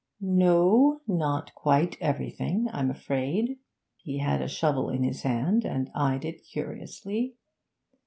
'No; not quite everything, I'm afraid.' He had a shovel in his hand, and eyed it curiously.